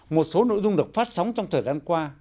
một số nội dung được phát sóng trong thời gian qua